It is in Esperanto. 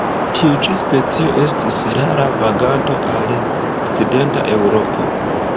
Tiu ĉi specio estis rara vaganto al okcidenta Eŭropo.